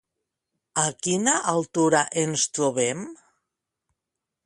A quina altura ens trobem?